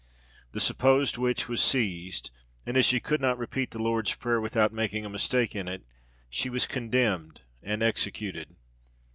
The supposed witch was seized, and as she could not repeat the Lord's Prayer without making a mistake in it, she was condemned and executed.